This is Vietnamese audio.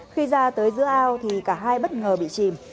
khi ra tới giữa ao thì cả hai bất ngờ bị chìm